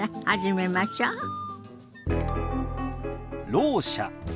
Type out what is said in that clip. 「ろう者」。